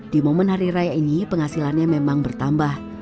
di momen hari raya ini penghasilannya memang bertambah